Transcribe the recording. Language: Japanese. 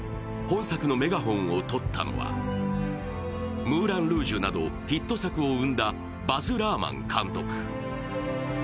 本作のメガホンを取ったのは、「ムーラン・ルージュ」などヒット作を生んだバズ・ラーマン監督。